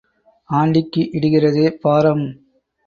ஆண்டிக்கு இடுகிறதே பாரம்.